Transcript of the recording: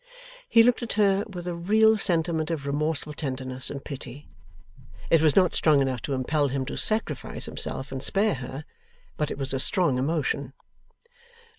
He looked at her with a real sentiment of remorseful tenderness and pity. It was not strong enough to impell him to sacrifice himself and spare her, but it was a strong emotion.